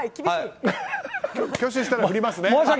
挙手したら振りますね。